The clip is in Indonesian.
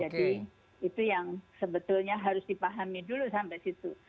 jadi itu yang sebetulnya harus dipahami dulu sampai situ